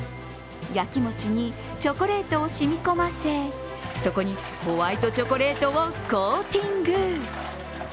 焼き餅にチョコレートをしみ込ませそこにホワイトチョコレートをコーティング。